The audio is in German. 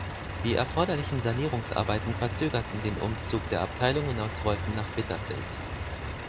Die erforderlichen Sanierungsarbeiten verzögerten den Umzug der Abteilungen aus Wolfen nach Bitterfeld.